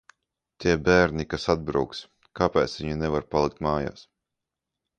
Tie bērni, kas atbrauks, kāpēc viņi nevar palikt mājās?